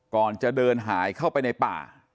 ก่อนจะเดินหายเข้าไปในป่า